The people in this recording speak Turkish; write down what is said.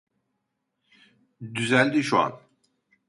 Düzeldi şu an